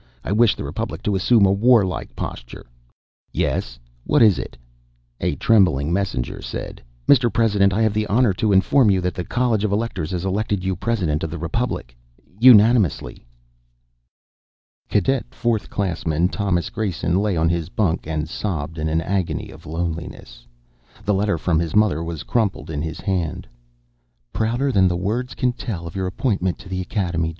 I wish the Republic to assume a war like posture yes; what is it?" A trembling messenger said: "Mr. President, I have the honor to inform you that the College of Electors has elected you President of the Republic unanimously." Cadet Fourth Classman Thomas Grayson lay on his bunk and sobbed in an agony of loneliness. The letter from his mother was crumpled in his hand: " prouder than words can tell of your appointment to the Academy.